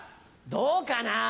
どうかな。